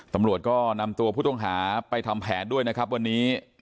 ตำรวจก็นำตัวผู้ต้องหาไปทำแผนด้วยนะครับวันนี้